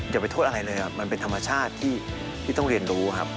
อย่าไปโทษอะไรเลยครับมันเป็นธรรมชาติที่ต้องเรียนรู้ครับ